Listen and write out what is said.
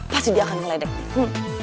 pasti dia akan meledek nih